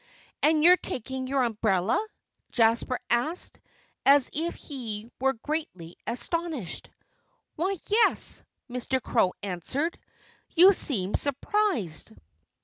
"And you're taking your umbrella?" Jasper asked, as if he were greatly astonished. "Why yes!" Mr. Crow answered. "You seem surprised."